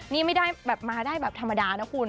นี่ไม่ได้แบบมาได้แบบธรรมดานะคุณ